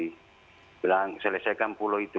saya bilang selesaikan pulau itu